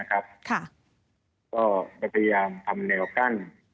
ก็จะพยายามทำแนวกั้น